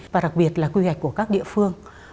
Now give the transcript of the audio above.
và đặc biệt là quy hoạch của các địa phương